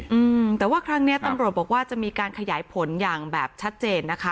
อืมแต่ว่าครั้งเนี้ยตำรวจบอกว่าจะมีการขยายผลอย่างแบบชัดเจนนะคะ